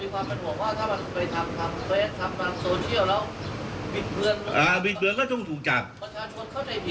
ก็จะมีความเป็นห่วงว่า